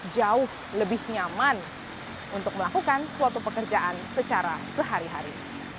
jauh lebih nyaman untuk melakukan suatu pekerjaan secara sehari hari